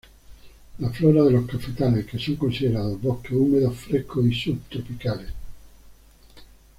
La flora de los cafetales que son considerados bosques húmedos, frescos y sub tropicales.